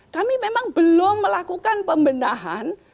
kami memang belum melakukan pembenahan